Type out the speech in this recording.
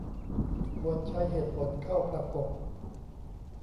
ควรใช้เหตุผลเข้าประกบ